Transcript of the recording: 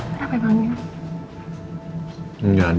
kenapa emang ini